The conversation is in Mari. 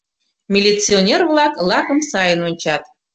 Милиционер-влак лакым сайын ончат.